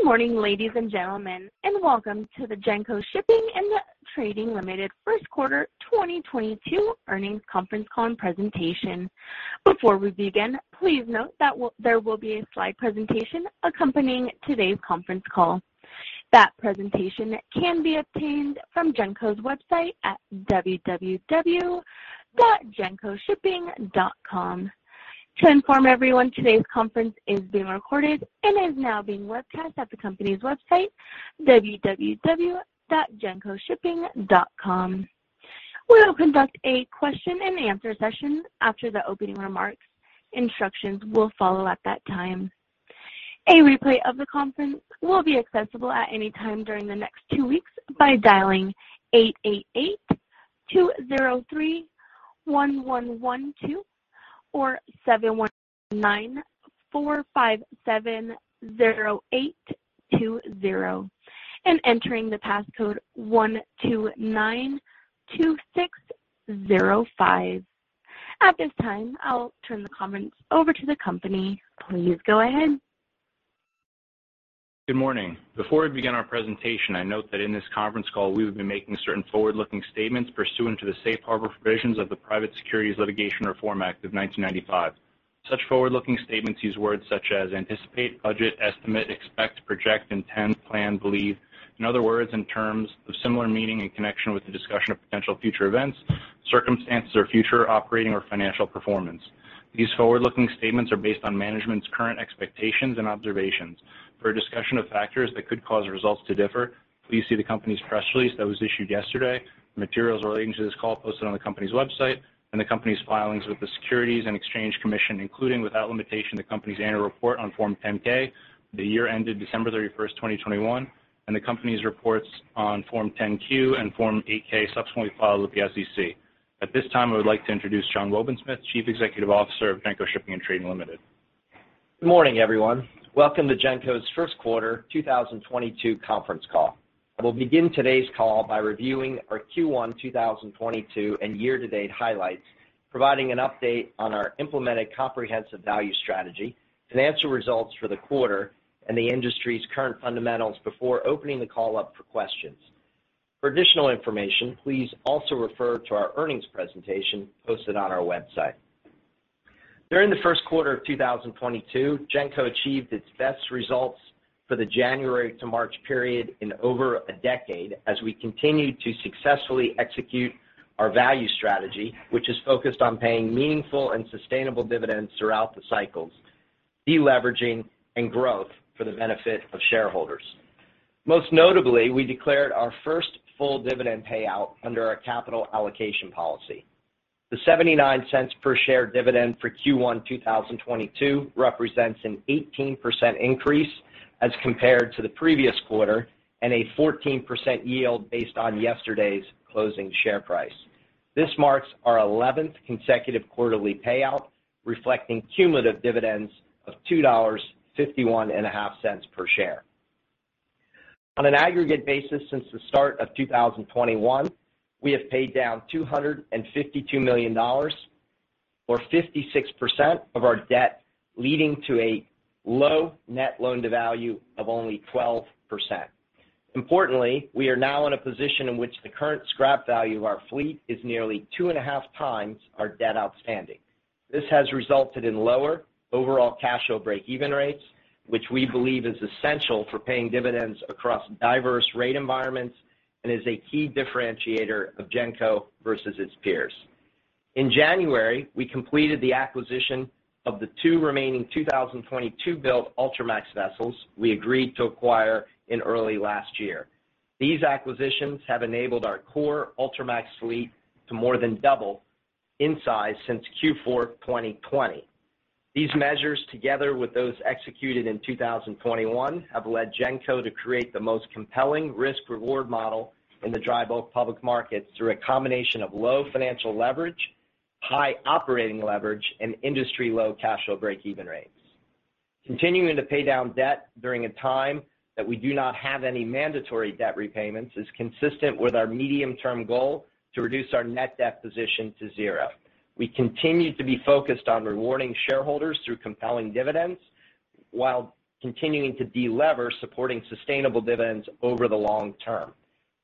Good morning, ladies and gentlemen, and welcome to the Genco Shipping & Trading Limited 1st Quarter 2022 Earnings Conference Call and Presentation. Before we begin, please note there will be a slide presentation accompanying today's conference call. That presentation can be obtained from Genco's website at www.GencoShipping.com. To inform everyone, today's conference is being recorded and is now being webcast at the company's website, www.GencoShipping.com. We will conduct a question-and-answer session after the opening remarks. Instructions will follow at that time. A replay of the conference will be accessible at any time during the next 2 weeks by dialing 888-203-1112 or 719-457-0820 and entering the passcode 1292605. At this time, I'll turn the conference over to the company. Please go ahead. Good morning. Before we begin our presentation, I note that in this conference call we will be making certain forward-looking statements pursuant to the Safe Harbor provisions of the Private Securities Litigation Reform Act of 1995. Such forward-looking statements use words such as anticipate, budget, estimate, expect, project, intend, plan, believe, and other words and terms of similar meaning in connection with the discussion of potential future events, circumstances or future operating or financial performance. These forward-looking statements are based on management's current expectations and observations. For a discussion of factors that could cause results to differ, please see the company's press release that was issued yesterday, materials relating to this call posted on the company's website and the company's filings with the Securities and Exchange Commission, including, without limitation, the company's annual report on Form 10-K for the year ended December 31, 2021, and the company's reports on Form 10-Q and Form 8-K subsequently filed with the SEC. At this time, I would like to introduce John C. Wobensmith, Chief Executive Officer of Genco Shipping & Trading Limited. Good morning, everyone. Welcome to Genco's 1st quarter 2022 conference call. I will begin today's call by reviewing our Q1 2022 and year-to-date highlights, providing an update on our implemented comprehensive value strategy, financial results for the quarter and the industry's current fundamentals before opening the call up for questions. For additional information, please also refer to our earnings presentation posted on our website. During the 1st quarter of 2022, Genco achieved its best results for the January to March period in over a decade as we continued to successfully execute our value strategy, which is focused on paying meaningful and sustainable dividends throughout the cycles, deleveraging and growth for the benefit of shareholders. Most notably, we declared our first full dividend payout under our capital allocation policy. The $0.79 per share dividend for Q1 2022 represents an 18% increase as compared to the previous quarter and a 14% yield based on yesterday's closing share price. This marks our 11th consecutive quarterly payout, reflecting cumulative dividends of $2.515 per share. On an aggregate basis since the start of 2021, we have paid down $252 million or 56% of our debt, leading to a low net loan-to-value of only 12%. Importantly, we are now in a position in which the current scrap value of our fleet is nearly 2.5 times our debt outstanding. This has resulted in lower overall cash flow break-even rates, which we believe is essential for paying dividends across diverse rate environments and is a key differentiator of Genco versus its peers. In January, we completed the acquisition of the 2 remaining 2022-built Ultramax vessels we agreed to acquire in early last year. These acquisitions have enabled our core Ultramax fleet to more than double in size since Q4 2020. These measures, together with those executed in 2021, have led Genco to create the most compelling risk/reward model in the dry bulk public markets through a combination of low financial leverage, high operating leverage and industry-low cash flow break-even rates. Continuing to pay down debt during a time that we do not have any mandatory debt repayments is consistent with our medium-term goal to reduce our net debt position to 0. We continue to be focused on rewarding shareholders through compelling dividends while continuing to delever, supporting sustainable dividends over the long term.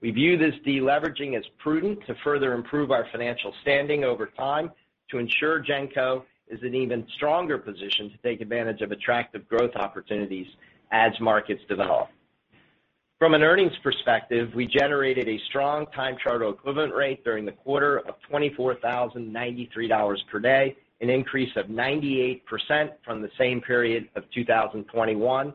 We view this deleveraging as prudent to further improve our financial standing over time to ensure Genco is in even stronger position to take advantage of attractive growth opportunities as markets develop. From an earnings perspective, we generated a strong Time Charter Equivalent rate during the quarter of $24,093 per day, an increase of 98% from the same period of 2021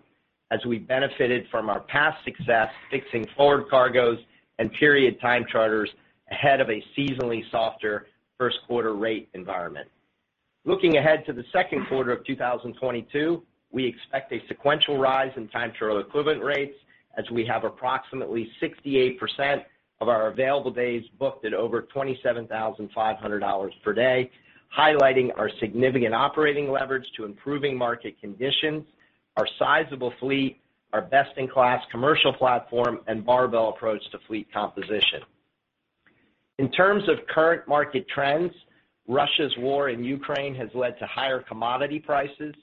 as we benefited from our past success fixing forward cargoes and period time charters ahead of a seasonally softer 1st quarter rate environment. Looking ahead to the 2nd quarter of 2022, we expect a sequential rise in time charter equivalent rates as we have approximately 68% of our available days booked at over $27,500 per day, highlighting our significant operating leverage to improving market conditions, our sizable fleet, our best-in-class commercial platform and barbell approach to fleet composition. In terms of current market trends, Russia's war in Ukraine has led to higher commodity prices,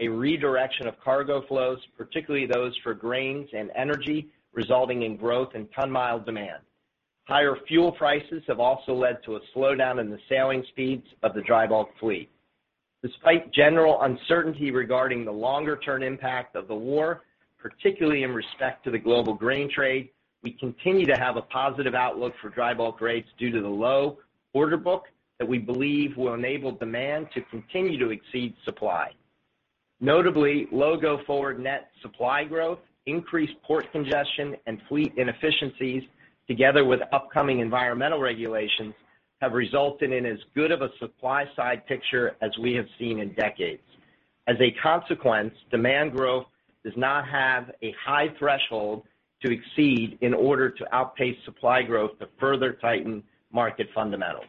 a redirection of cargo flows, particularly those for grains and energy, resulting in growth in ton-mile demand. Higher fuel prices have also led to a slowdown in the sailing speeds of the dry bulk fleet. Despite general uncertainty regarding the longer-term impact of the war, particularly in respect to the global grain trade, we continue to have a positive outlook for dry bulk rates due to the low order book that we believe will enable demand to continue to exceed supply. Notably, low go-forward net supply growth, increased port congestion, and fleet inefficiencies together with upcoming environmental regulations, have resulted in as good of a supply side picture as we have seen in decades. As a consequence, demand growth does not have a high threshold to exceed in order to outpace supply growth to further tighten market fundamentals.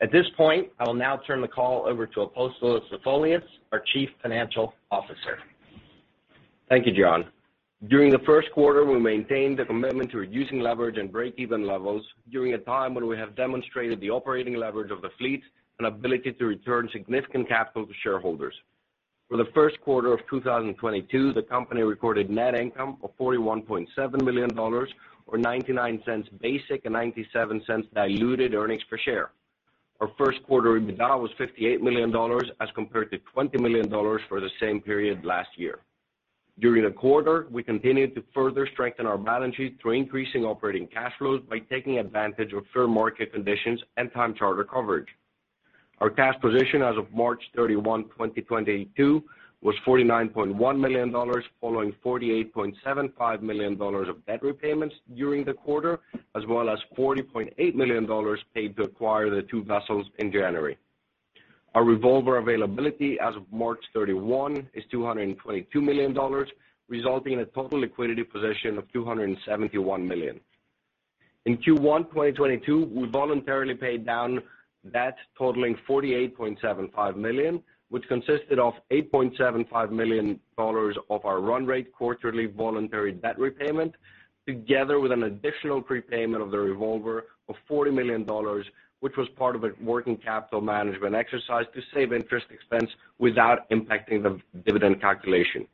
At this point, I will now turn the call over to Apostolos Zafolias, our Chief Financial Officer. Thank you, John. During the 1st quarter, we maintained the commitment to reducing leverage and breakeven levels during a time when we have demonstrated the operating leverage of the fleet and ability to return significant capital to shareholders. For the 1st quarter of 2022, the company recorded net income of $41.7 million or $0.99 basic and $0.97 diluted earnings per share. Our 1st quarter EBITDA was $58 million as compared to $20 million for the same period last year. During the quarter, we continued to further strengthen our balance sheet through increasing operating cash flows by taking advantage of fair market conditions and time charter coverage. Our cash position as of March 31, 2022 was $49.1 million, following $48.75 million of debt repayments during the quarter, as well as $40.8 million paid to acquire the 2 vessels in January. Our revolver availability as of March 31 is $222 million, resulting in a total liquidity position of $271 million. In Q1 2022, we voluntarily paid down debt totaling $48.75 million, which consisted of $8.75 million of our run rate quarterly voluntary debt repayment, together with an additional prepayment of the revolver of $40 million, which was part of a working capital management exercise to save interest expense without impacting the dividend calculation.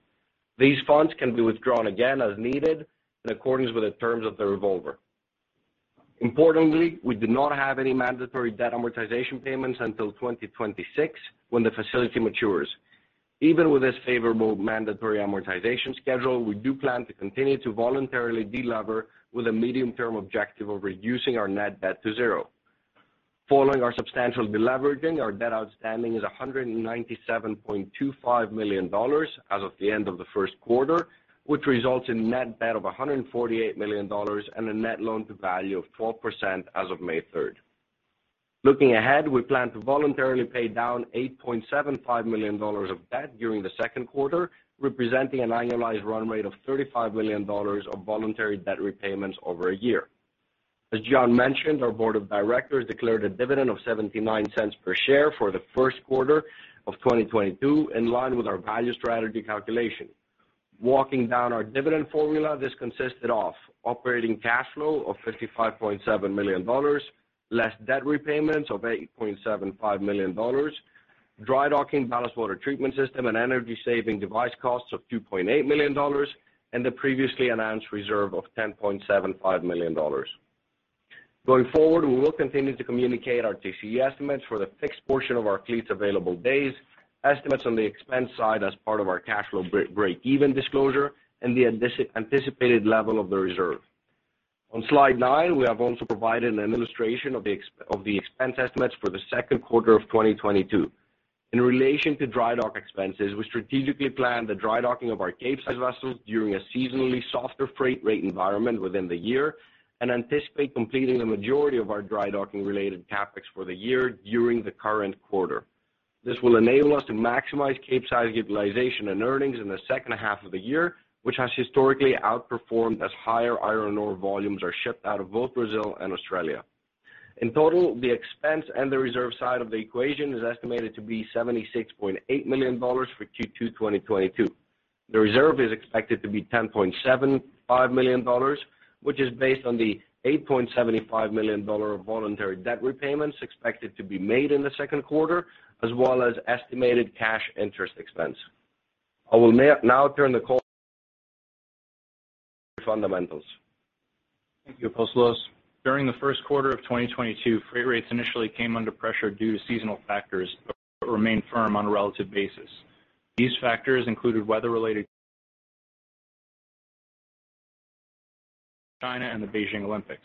These funds can be withdrawn again as needed in accordance with the terms of the revolver. Importantly, we do not have any mandatory debt amortization payments until 2026, when the facility matures. Even with this favorable mandatory amortization schedule, we do plan to continue to voluntarily de-lever with a medium-term objective of reducing our net debt to zero. Following our substantial de-leveraging, our debt outstanding is $197.25 million as of the end of the 1st quarter, which results in net debt of $148 million and a net loan-to-value of 4% as of May 3. Looking ahead, we plan to voluntarily pay down $8.75 million of debt during the 2nd quarter, representing an annualized run rate of $35 million of voluntary debt repayments over a year. As John mentioned, our board of directors declared a dividend of $0.79 per share for the 1st quarter of 2022, in line with our value strategy calculation. Walking down our dividend formula, this consisted of operating cash flow of $55.7 million, less debt repayments of $8.75 million, dry docking ballast water treatment system and energy saving device costs of $2.8 million, and the previously announced reserve of $10.75 million. Going forward, we will continue to communicate our TCE estimates for the fixed portion of our fleet's available days, estimates on the expense side as part of our cash flow breakeven disclosure, and the anticipated level of the reserve. On Slide 9, we have also provided an illustration of the expense estimates for the 2nd quarter of 2022. In relation to dry dock expenses, we strategically planned the dry docking of our Capesize vessels during a seasonally softer freight rate environment within the year and anticipate completing the majority of our dry docking related CapEx for the year during the current quarter. This will enable us to maximize Capesize utilization and earnings in the second half of the year, which has historically outperformed as higher iron ore volumes are shipped out of both Brazil and Australia. In total, the expense and the reserve side of the equation is estimated to be $76.8 million for Q2, 2022. The reserve is expected to be $10.75 million, which is based on the $8.75 million of voluntary debt repayments expected to be made in the 2nd quarter, as well as estimated cash interest expense. I will now turn the call fundamentals. Thank you, Apostolos. During the 1st quarter of 2022, freight rates initially came under pressure due to seasonal factors but remained firm on a relative basis. These factors included weather-related China and the Beijing Olympics.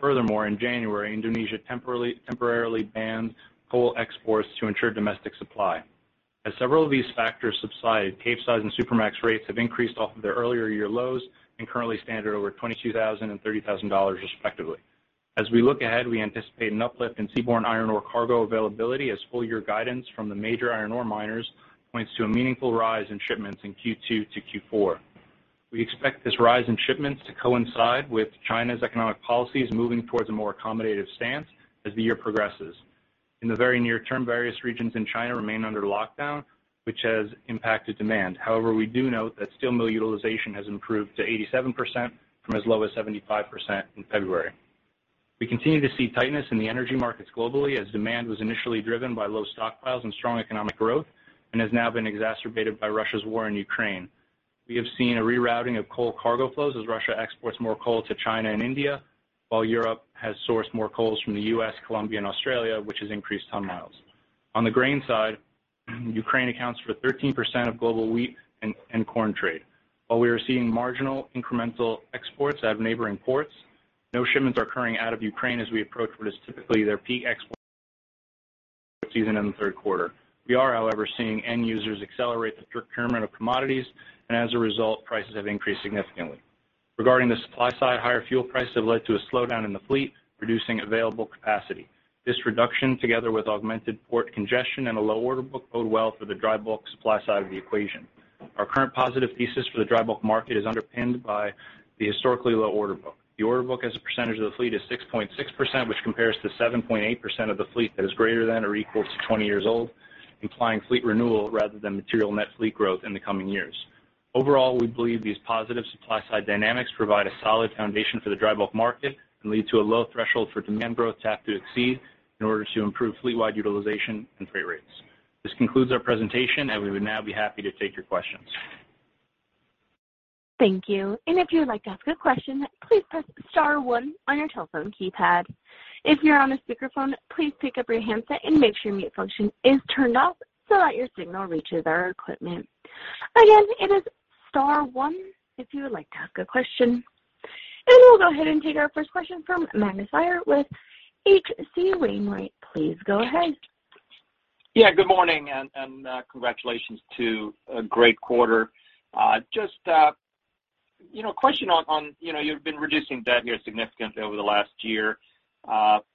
Furthermore, in January, Indonesia temporarily banned coal exports to ensure domestic supply. As several of these factors subside, Capesize and Supramax rates have increased off of their earlier year lows and currently stand at over $22,000 and $30,000 respectively. As we look ahead, we anticipate an uplift in seaborne iron ore cargo availability as full-year guidance from the major iron ore miners points to a meaningful rise in shipments in Q2 to Q4. We expect this rise in shipments to coincide with China's economic policies moving towards a more accommodative stance as the year progresses. In the very near term, various regions in China remain under lockdown, which has impacted demand. However, we do note that steel mill utilization has improved to 87% from as low as 75% in February. We continue to see tightness in the energy markets globally as demand was initially driven by low stockpiles and strong economic growth and has now been exacerbated by Russia's war in Ukraine. We have seen a rerouting of coal cargo flows as Russia exports more coal to China and India, while Europe has sourced more coal from the U.S., Colombia and Australia, which has increased ton-miles. On the grain side, Ukraine accounts for 13% of global wheat and corn trade. While we are seeing marginal incremental exports out of neighboring ports, no shipments are occurring out of Ukraine as we approach what is typically their peak export season in the third quarter. We are, however, seeing end users accelerate the procurement of commodities and as a result, prices have increased significantly. Regarding the supply side, higher fuel prices have led to a slowdown in the fleet, reducing available capacity. This reduction, together with augmented port congestion and a low order book, bode well for the dry bulk supply side of the equation. Our current positive thesis for the dry bulk market is underpinned by the historically low order book. The order book as a percentage of the fleet is 6.6%, which compares to 7.8% of the fleet that is greater than or equal to 20 years old, implying fleet renewal rather than material net fleet growth in the coming years. Overall, we believe these positive supply side dynamics provide a solid foundation for the dry bulk market and lead to a low threshold for demand growth to have to exceed in order to improve fleet-wide utilization and freight rates. This concludes our presentation, and we would now be happy to take your questions. Thank you. If you would like to ask a question, please press star 1 on your telephone keypad. If you're on a speakerphone, please pick up your handset and make sure mute function is turned off so that your signal reaches our equipment. Again, it is star one if you would like to ask a question, and we'll go ahead and take our first question from Magnus Fyhr with H.C. Wainwright. Please go ahead. Yeah, good morning and congratulations to a great quarter. Just, you know, question on, you know, you've been reducing debt here significantly over the last year.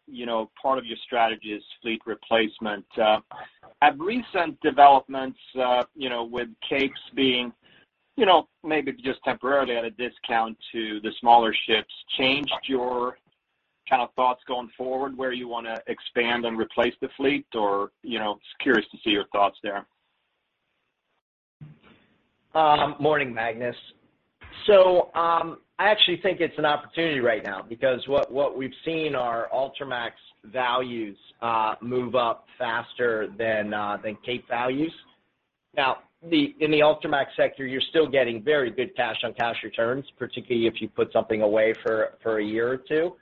You know, part of your strategy is fleet replacement. Have recent developments, you know, with Capes being, you know, maybe just temporarily at a discount to the smaller ships, changed your kind of thoughts going forward, where you wanna expand and replace the fleet or, you know, just curious to see your thoughts there. Morning, Magnus. I actually think it's an opportunity right now because what we've seen are Ultramax values move up faster than than Cape values. Now, in the Ultramax sector, you're still getting very good cash on cash returns, particularly if you put something away for a year or 2.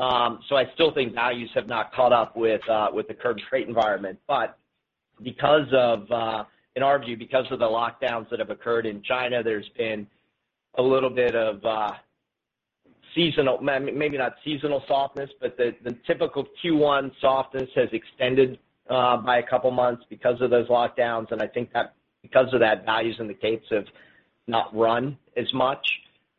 I still think values have not caught up with with the current rate environment. Because of, in our view, because of the lockdowns that have occurred in China, there's been a little bit of seasonal. Maybe not seasonal softness, but the typical Q1 softness has extended by a couple of months because of those lockdowns. I think that because of that, values in the Capes have not run as much.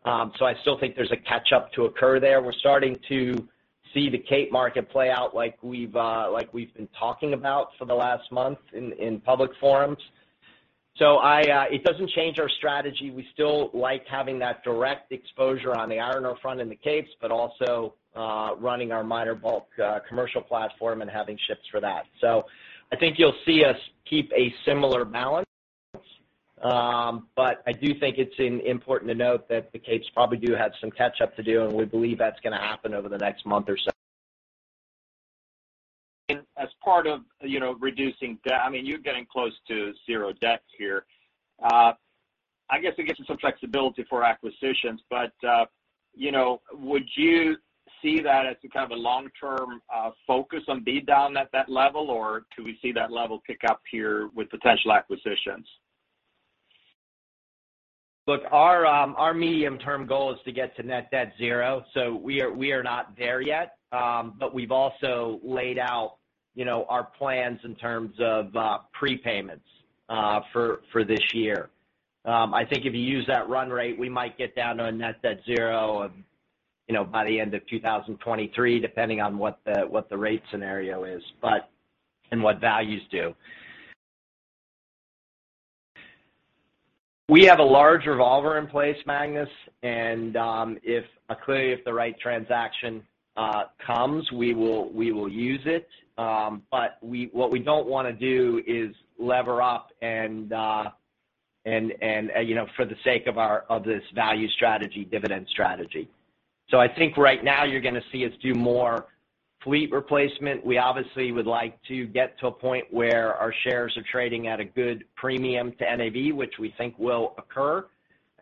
I still think there's a catch-up to occur there. We're starting to see the Cape market play out like we've been talking about for the last month in public forums. It doesn't change our strategy. We still like having that direct exposure on the iron ore front and the Capes, but also running our minor bulk commercial platform and having ships for that. I think you'll see us keep a similar balance. I do think it's important to note that the Capes probably do have some catch-up to do, and we believe that's gonna happen over the next month or so. As part of, you know, reducing debt, I mean, you're getting close to zero debt here. I guess it gives you some flexibility for acquisitions, but, you know, would you see that as some kind of a long-term focus and be down at that level, or could we see that level pick up here with potential acquisitions? Look, our medium-term goal is to get to net debt zero. We are not there yet. We've also laid out, you know, our plans in terms of prepayments for this year. I think if you use that run rate, we might get down to a net debt 0, you know, by the end of 2023, depending on what the rate scenario is, and what values do. We have a large revolver in place, Magnus, and if, clearly, if the right transaction comes, we will use it. What we don't wanna do is lever up and, you know, for the sake of our value strategy, dividend strategy. I think right now you're gonna see us do more fleet replacement. We obviously would like to get to a point where our shares are trading at a good premium to NAV, which we think will occur.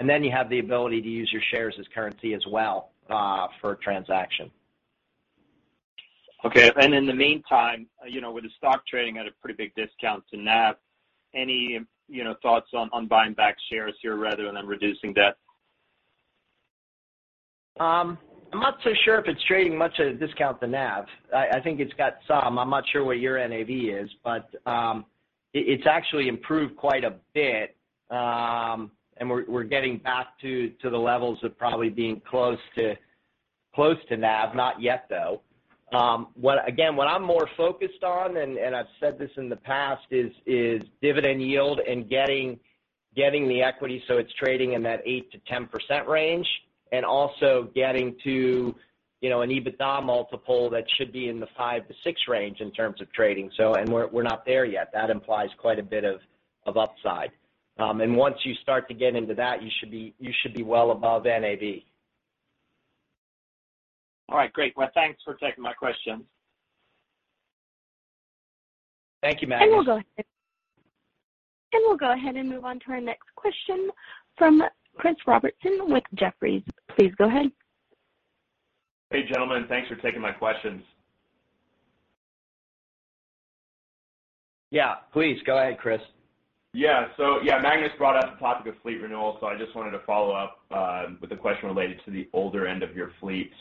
You have the ability to use your shares as currency as well, for a transaction. Okay. In the meantime, you know, with the stock trading at a pretty big discount to NAV, any, you know, thoughts on buying back shares here rather than reducing debt? I'm not so sure if it's trading much at a discount to NAV. I think it's got some. I'm not sure what your NAV is, but it's actually improved quite a bit. We're getting back to the levels of probably being close to NAV. Not yet, though. What I'm more focused on, and I've said this in the past, is dividend yield and getting the equity so it's trading in that 8%-10% range, and also getting to, you know, an EBITDA multiple that should be in the 5-6 range in terms of trading. We're not there yet. That implies quite a bit of upside. Once you start to get into that, you should be well above NAV. All right. Great. Well, thanks for taking my question. Thank you, Magnus. We'll go ahead and move on to our next question from Christopher Robertson with Jefferies. Please go ahead. Hey, gentlemen. Thanks for taking my questions. Yeah, please go ahead, Chris. Yeah. Magnus brought up the topic of fleet renewal. I just wanted to follow up with a question related to the older end of your fleet.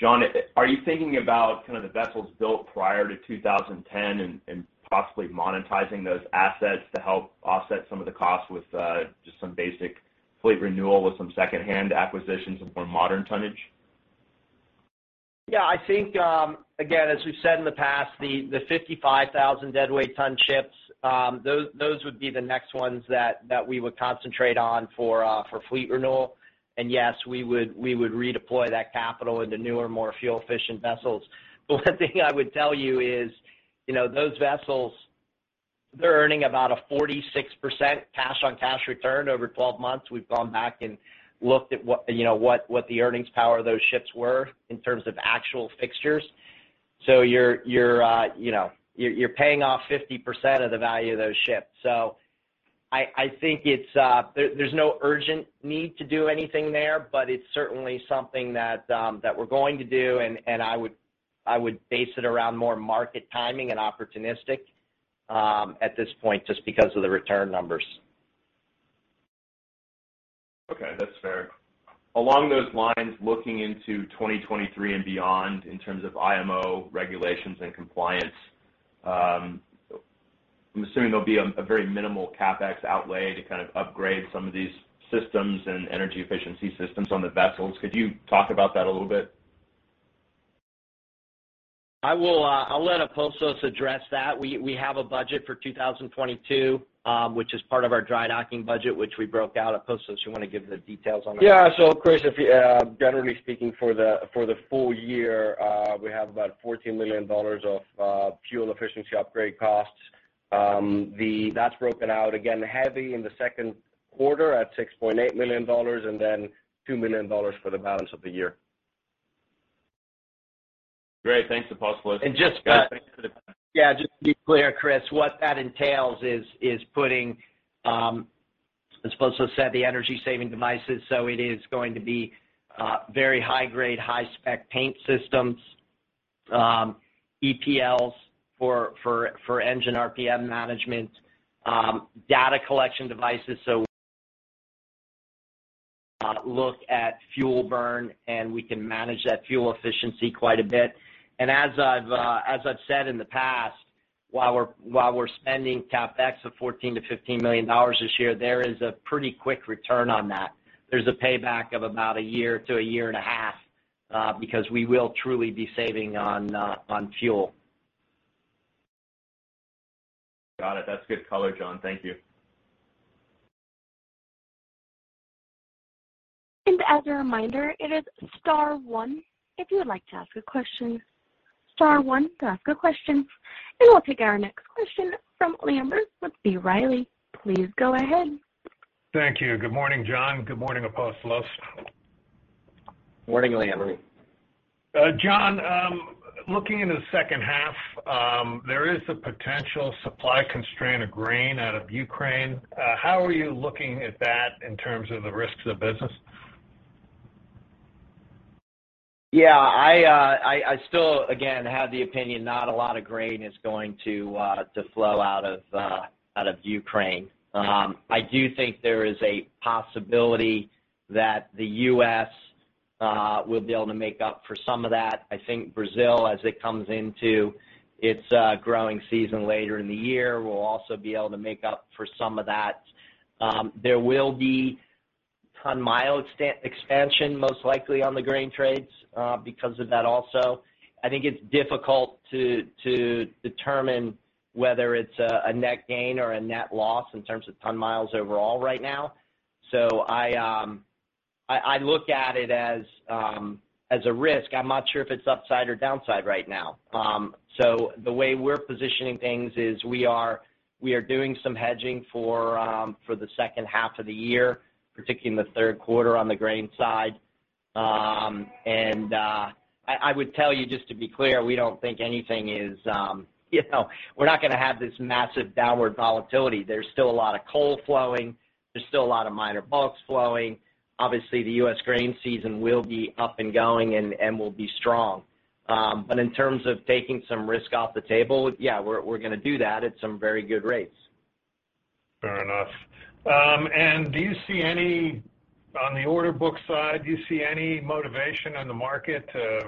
John, are you thinking about kind of the vessels built prior to 2010 and possibly monetizing those assets to help offset some of the costs with just some basic fleet renewal with some secondhand acquisitions of more modern tonnage? Yeah, I think again, as we've said in the past, the 55,000 deadweight ton ships, those would be the next ones that we would concentrate on for fleet renewal. Yes, we would redeploy that capital into newer, more fuel-efficient vessels. One thing I would tell you is, you know, those vessels, they're earning about a 46% cash-on-cash return over 12 months. We've gone back and looked at what, you know, the earnings power of those ships were in terms of actual fixtures. You're, you know, paying off 50% of the value of those ships. I think there's no urgent need to do anything there, but it's certainly something that we're going to do. I would base it around more market timing and opportunistic at this point, just because of the return numbers. Okay, that's fair. Along those lines, looking into 2023 and beyond in terms of IMO regulations and compliance, I'm assuming there'll be a very minimal CapEx outlay to kind of upgrade some of these systems and energy efficiency systems on the vessels. Could you talk about that a little bit? I will, I'll let Apostolos address that. We have a budget for 2022, which is part of our dry docking budget, which we broke out. Apostolos, you wanna give the details on that? Yeah, Chris, if generally speaking, for the full year, we have about $14 million of fuel efficiency upgrade costs. That's broken out again, heavy in the 2nd quarter at $6.8 million and then $2 million for the balance of the year. Great. Thanks, Apostolos. Just. Yeah, thanks for the. Yeah, just to be clear, Chris, what that entails is putting, as Apostolos said, the energy-saving devices. It is going to be very high grade, high spec paint systems, EPLs for engine RPM management, data collection devices so look at fuel burn, and we can manage that fuel efficiency quite a bit. As I've said in the past, while we're spending CapEx of $14 million-$15 million this year, there is a pretty quick return on that. There's a payback of about a year to a year and a half, because we will truly be saving on fuel. Got it. That's good color, John. Thank you. As a reminder, it is star one if you would like to ask a question. Star one to ask a question. We'll take our next question from Liam Burke with B. Riley. Please go ahead. Thank you. Good morning, John. Good morning, Apostolos. Morning, Liam. John, looking into the second half, there is a potential supply constraint of grain out of Ukraine. How are you looking at that in terms of the risks of business? Yeah, I still again have the opinion not a lot of grain is going to flow out of Ukraine. I do think there is a possibility that the U.S. will be able to make up for some of that. I think Brazil, as it comes into its growing season later in the year, will also be able to make up for some of that. There will be ton-mile expansion most likely on the grain trades because of that also. I think it's difficult to determine whether it's a net gain or a net loss in terms of ton-miles overall right now. I look at it as a risk. I'm not sure if it's upside or downside right now. The way we're positioning things is we are doing some hedging for the second half of the year, particularly in the third quarter on the grain side. I would tell you just to be clear, we don't think anything is, you know, we're not gonna have this massive downward volatility. There's still a lot of coal flowing. There's still a lot of minor bulks flowing. Obviously, the U.S. grain season will be up and going and will be strong. In terms of taking some risk off the table, yeah, we're gonna do that at some very good rates. Fair enough. On the order book side, do you see any motivation in the market to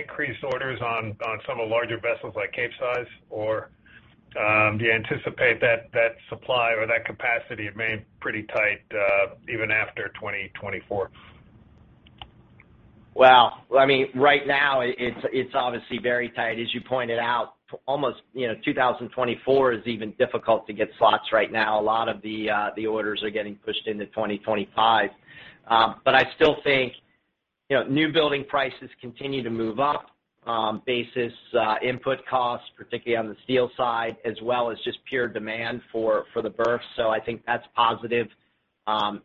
increase orders on some of the larger vessels like Capesize? Or do you anticipate that supply or that capacity remain pretty tight, even after 2024? Well, I mean, right now it's obviously very tight. As you pointed out, almost, you know, 2024 is even difficult to get slots right now. A lot of the orders are getting pushed into 2025. I still think, you know, new building prices continue to move up based on input costs, particularly on the steel side, as well as just pure demand for the berth. I think that's positive.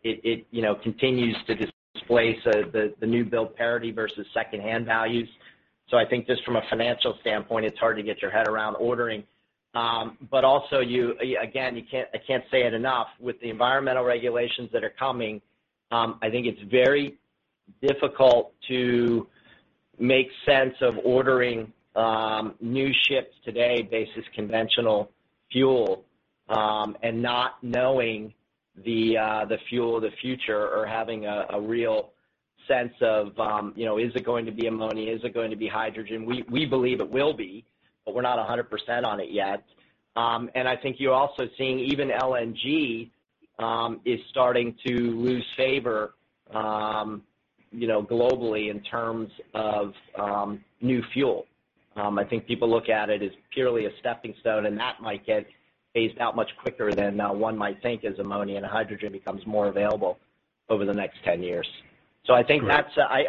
It you know continues to displace the new build parity versus secondhand values. I think just from a financial standpoint, it's hard to get your head around ordering. Also, I can't say it enough, with the environmental regulations that are coming. I think it's very difficult to make sense of ordering new ships today basis conventional fuel, and not knowing the fuel of the future or having a real sense of, you know, is it going to be ammonia? Is it going to be hydrogen? We believe it will be, but we're not 100% on it yet. I think you're also seeing even LNG is starting to lose favor, you know, globally in terms of new fuel. I think people look at it as purely a stepping stone, and that might get phased out much quicker than one might think as ammonia and hydrogen becomes more available over the next 10 years. Right.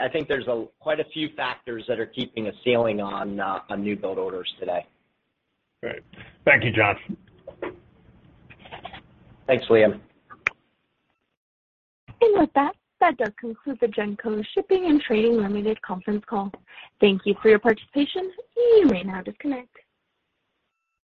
I think there's quite a few factors that are keeping a ceiling on new build orders today. Great. Thank you, John. Thanks, Liam. With that does conclude the Genco Shipping & Trading Limited conference call. Thank you for your participation. You may now disconnect.